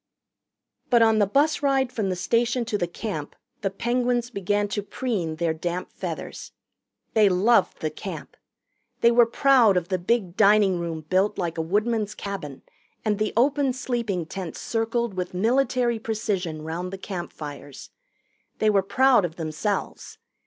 But on the bus ride from the station to the Camp the Penguins began to preen their damp feathers. They loved the Camp. They were proud of the big dining room built like a woodman's cabin and the open sleeping tents circled with military precision round the campfires. They were proud of themselves.